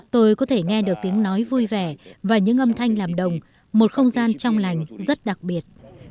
tôi có thể nghe được tiếng nói vui vẻ và những âm thanh làm đồng một không gian trong lành rất đặc biệt